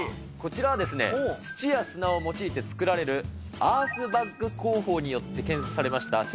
こちらはですね、土や砂を用いて作られるアースバッグ工法によって建設されました、